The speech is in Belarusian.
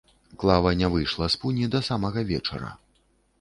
Клава не выйшла з пуні да самага вечара.